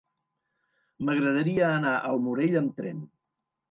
M'agradaria anar al Morell amb tren.